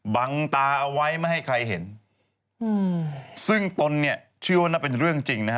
บังตาเอาไว้ไม่ให้ใครเห็นอืมซึ่งตนเนี่ยเชื่อว่าน่าเป็นเรื่องจริงนะฮะ